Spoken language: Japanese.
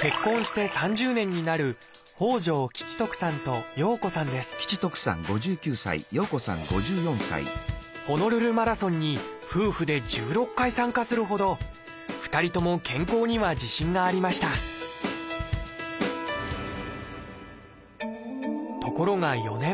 結婚して３０年になるホノルルマラソンに夫婦で１６回参加するほど２人とも健康には自信がありましたところが４年前。